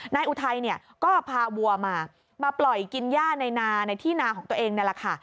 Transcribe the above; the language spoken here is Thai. นายอุไทยก็พาวัวมามาปล่อยกินย่าในที่นาของตัวเอง